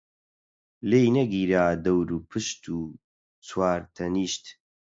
لێی نەگیرا دەوروپشت و چوار تەنیشت،